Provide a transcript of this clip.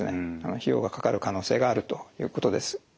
費用がかかる可能性があるということです。